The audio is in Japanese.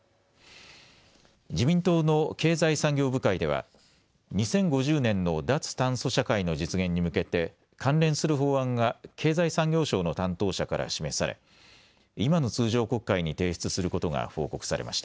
自民党の経済産業部会では２０５０年の脱炭素社会の実現に向けて関連する法案が経済産業省の担当者から示され今の通常国会に提出することが報告されました。